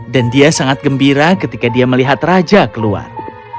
dan dia sangat gembira ketika dia melihat raja keluar